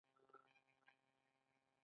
آیا هغه کولی شي ووايي چې ما ارزښت لوړ کړی